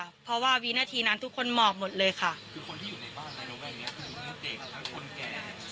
หมอบค่ะเพราะว่าวินาทีนั้นทุกคนหมอบหมดเลยค่ะคือคนที่อยู่ในบ้านในนี้